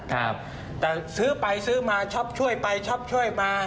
แต่ซื้อไปซื้อมาช็อปช่วยไปช็อปช่วยมา